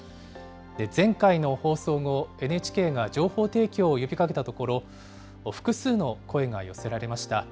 前回の放送後、ＮＨＫが情報提供を呼びかけたところ、複数の声が寄せられました。